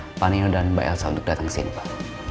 saya juga udah undang pak nino dan mbak elsa untuk datang sini pak